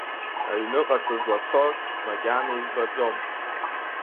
Аҩныҟа сызлацо макьана избаӡом…